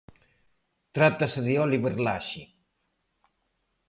Tratase de Óliver Laxe.